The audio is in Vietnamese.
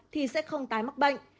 thì sẽ không tái mắc bệnh